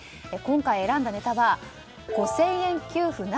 今回選んだネタは５０００円給付